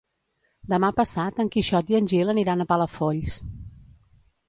Demà passat en Quixot i en Gil aniran a Palafolls.